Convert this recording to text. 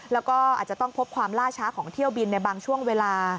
แล้วก็อาจจะต้องพบความล่าช้าของเที่ยวบินในบางช่วงเวลา